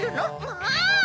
もう！